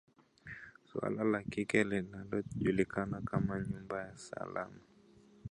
suala la kile kinachojulikana kama nyumba salama